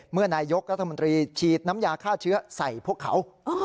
นายกรัฐมนตรีฉีดน้ำยาฆ่าเชื้อใส่พวกเขา